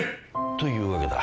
というわけだ。